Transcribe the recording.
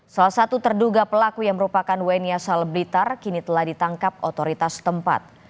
salah satu terduga pelaku yang merupakan wni asal blitar kini telah ditangkap otoritas tempat